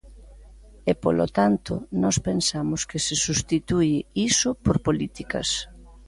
E, polo tanto, nós pensamos que se substitúe iso por políticas.